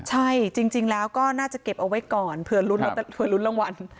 ใช่จริงแล้วก็น่าจะเก็บเอาไว้ก่อนเผื่อลุ้นรางวัล